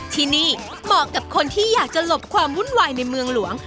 ที่นี่เหมาะกับคนที่อยากจะหลบความวุ่นวายในเมืองหลวง